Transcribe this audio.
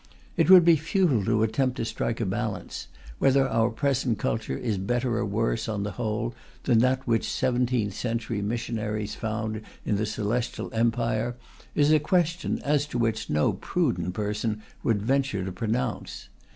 It would be futile to attempt to strike a balance; whether our present culture is better or worse, on the whole, than that which seventeenth century missionaries found in the Celestial Empire is a question as to which no prudent person would venture to pronounce.